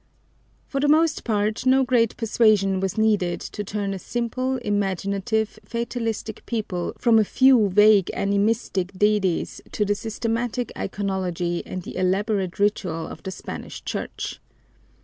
For the most part, no great persuasion was needed to turn a simple, imaginative, fatalistic people from a few vague animistic deities to the systematic iconology and the elaborate ritual of the Spanish Church.